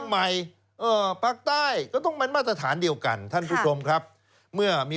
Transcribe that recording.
มันต้องมาตรฐานเดียวกันไม่ใช่เหรอ